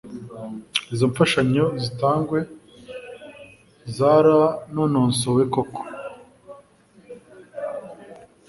izo mfashanyo zitangwe zaranononsowe koko